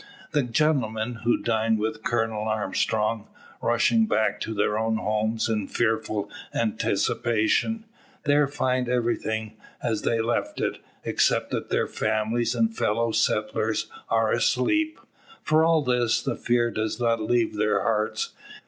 The gentlemen, who dined with Colonel Armstrong, rushing back to their own homes in fearful anticipation, there find everything, as they left it; except that their families and fellow settlers are asleep. For all this, the fear does not leave their hearts.